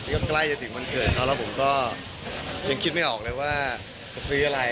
ก็ใกล้จะถึงวันเกิดเขาแล้วผมก็ยังคิดไม่ออกเลยว่าจะซื้ออะไร